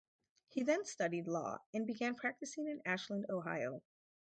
He then studied law and began practicing in Ashland, Ohio.